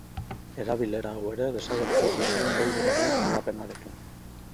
Erabilera hau ere desagertu egin zen bolboraren hedapenarekin.